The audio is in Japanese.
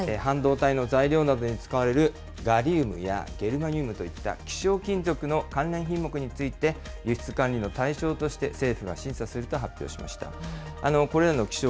対抗措置と思われる措置ですね、半導体の材料などに使われるガリウムやゲルマニウムといった希少金属の関連品目について、輸出管理の対象として、政府が審査すると発表しました。